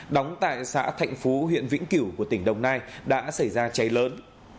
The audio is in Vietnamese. đóng tại xã thạnh phú huyện vĩnh cửu của tỉnh đồng nai đã xảy ra cháy lớn